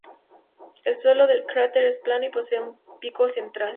El suelo del cráter es plano y posee un pico central.